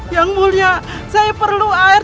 yang mulia saya perlu air